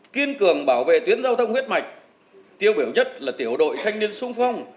kiên cường bảo vệ tuyến giao thông huyết mạch tiêu biểu nhất là tiểu đội thanh niên sung phong